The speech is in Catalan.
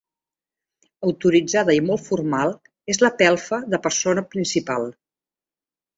Autoritzada i molt formal és la pelfa de persona principal.